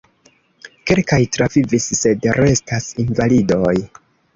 Kelkaj travivis sed restas invalidoj.